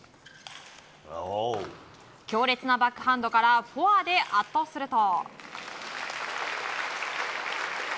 強烈なバックハンドからフォアで圧倒すると。